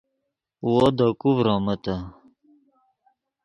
وو دے کوئے ڤرومیتے